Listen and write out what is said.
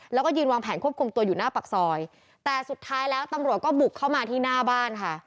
แล้วก็ยืนวางแผนควบคุมตัวอยู่หน้าปากซอยแต่สุดท้ายแล้วตำรวจก็บุกเข้ามาที่หน้าบ้านค่ะ